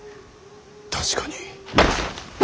確かに。